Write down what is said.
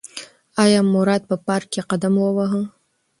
ایا مراد په پار ک کې قدم وواهه؟